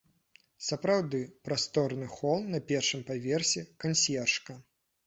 Сапраўды, прасторны хол на першым паверсе, кансьержка.